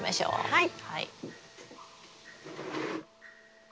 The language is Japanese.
はい。